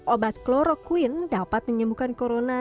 obat kloroquine dapat menyembuhkan corona